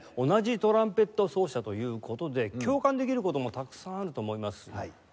同じトランペット奏者という事で共感できる事もたくさんあると思います。